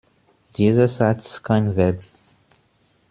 Dieser Satz kein Verb.